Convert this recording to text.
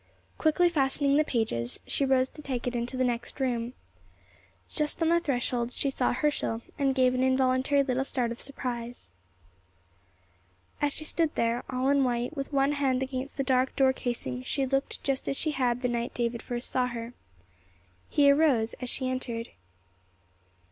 Quickly fastening the pages, she rose to take it into the next room. Just on the threshold she saw Herschel, and gave an involuntary little start of surprise. As she stood there, all in white, with one hand against the dark door casing, she looked just as she had the night David first saw her. He arose as she entered.